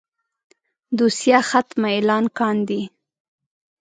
دوسيه ختمه اعلان کاندي.